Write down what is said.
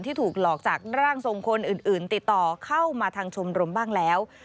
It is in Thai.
ถูกหลอกจากร่างทรงคนอื่นติดต่อเข้ามาทางชมรมบ้างแล้ว